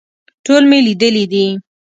ټول مې لیدلي دي.